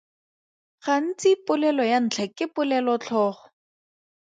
Gantsi polelo ya ntlha ke polelotlhogo.